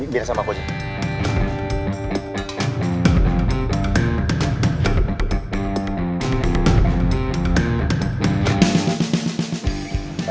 biar sama aku aja